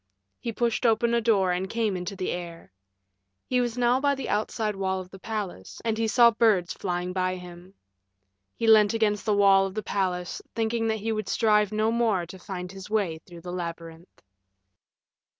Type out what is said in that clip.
He pushed open a door and came into the air. He was now by the outside wall of the palace, and he saw birds flying by him. He leant against the wall of the palace, thinking that he would strive no more to find his way through the labyrinth.